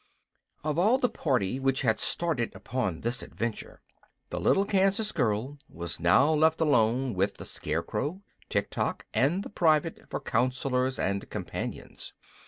Of all the party which had started upon this adventure, the little Kansas girl was now left alone with the Scarecrow, Tiktok, and the private for counsellors and companions.